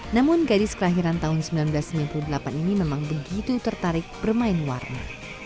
namun gadis kelahiran tahun seribu sembilan ratus sembilan puluh delapan ini memang begitu tertarik bermain warna